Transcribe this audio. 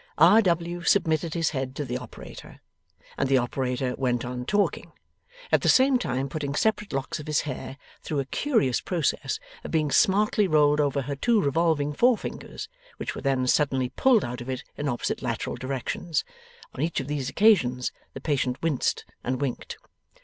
R. W. submitted his head to the operator, and the operator went on talking; at the same time putting separate locks of his hair through a curious process of being smartly rolled over her two revolving forefingers, which were then suddenly pulled out of it in opposite lateral directions. On each of these occasions the patient winced and winked.